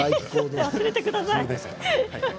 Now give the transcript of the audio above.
やめてください。